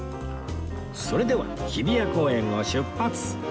それでは日比谷公園を出発！